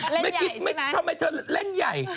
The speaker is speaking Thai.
เล่นใหญ่ใช่มั้ยทำไมเธอเล่นใหญ่